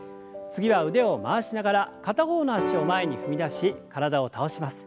次は腕を回しながら片方の脚を前に踏み出し体を倒します。